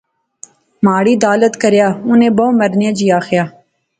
مہاڑی دالت کریا۔۔۔ انیں بہوں مرنیاں جئے آخیا